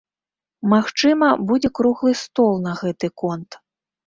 Магчыма, будзе круглы стол на гэты конт.